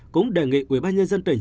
cũng đề nghị ubnd tỉnh